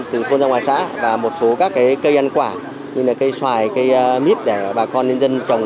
từ thôn ra ngoài xã và một số các cây ăn quả như là cây xoài cây mít để bà con nhân dân trồng